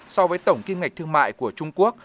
so với tổng kim ngạch thương mại của trung quốc